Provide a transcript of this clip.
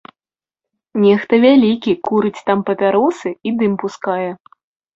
Нехта вялікі курыць там папяросы і дым пускае.